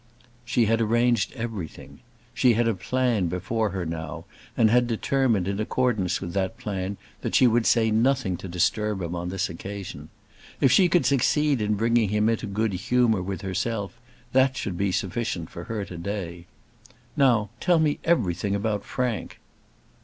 She had arranged everything. She had a plan before her now, and had determined in accordance with that plan that she would say nothing to disturb him on this occasion. If she could succeed in bringing him into good humour with herself, that should be sufficient for to day. "Now tell me everything about Frank."